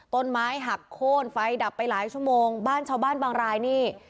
ต้นไม้หักโค้นไฟดับไปหลายชั่วโมงบ้านชาวบ้านบางรายนี่